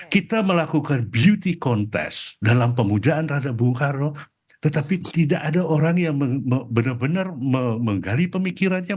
kita melakukan beauty contest dalam pemudaan rada bung karno tetapi tidak ada orang yang benar benar menggali pemikirannya